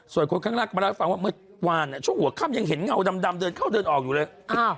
ส่วนคนข้างล่างก็มาเล่าให้ฟังว่าเมื่อวานช่วงหัวค่ำยังเห็นเงาดำเดินเข้าเดินออกอยู่เลย